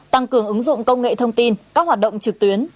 tăng cường ứng dụng công nghệ thông tin các hoạt động trực tuyến